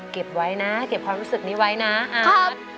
เก็บไว้นะเก็บความรู้สึกนี้ไว้นะอาร์ต